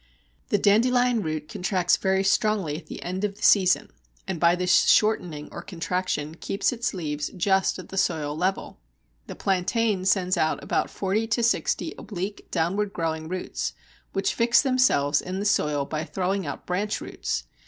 The Dandelion root contracts very strongly at the end of the season, and by this shortening or contraction keeps its leaves just at the soil level. The Plantain sends out about forty to sixty oblique downward growing roots, which fix themselves in the soil by throwing out branch roots.